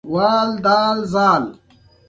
د رام بلوا اقتصادي ریښې لرلې.